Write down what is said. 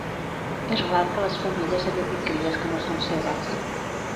És rar que les femelles alletin cries que no són seves